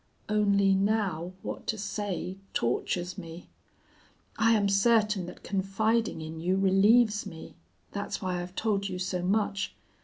Only, now, what to say tortures me. I am certain that confiding in you relieves me. That's why I've told you so much.